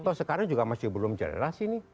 atau sekarang juga masih belum jelas ini